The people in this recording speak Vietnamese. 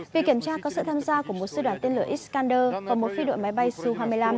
vì kiểm tra có sự tham gia của một sư đoàn tên lửa iskander và một phi đội máy bay su hai mươi năm